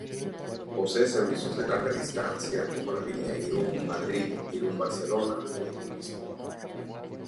Posee servicios de larga distancia, como la línea Irún-Madrid, Irún-Barcelona o Irún-Lisboa.